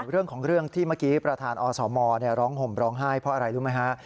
เรื่องของเรื่องที่เมื่อกี้ประธานอสมร้องห่มร้องไห้เพราะอะไรรู้ไหมฮะ